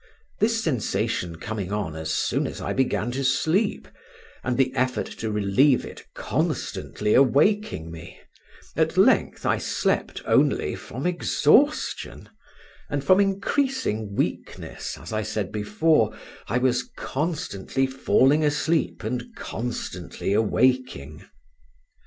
This sensation coming on as soon as I began to sleep, and the effort to relieve it constantly awaking me, at length I slept only from exhaustion; and from increasing weakness (as I said before) I was constantly falling asleep and constantly awaking.